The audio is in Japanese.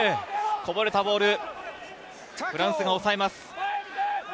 こぼれたボール、フランスがおさえます。